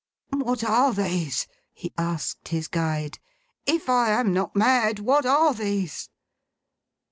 'What are these?' he asked his guide. 'If I am not mad, what are these?